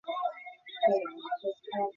আমরা কীভাবে বিশ্বাস করব যে আপনারা ওকে মারেননি?